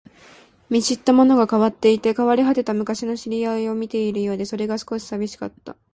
見知ったものが変わっていて、変わり果てた昔の知り合いを見ているようで、それが少し寂しかった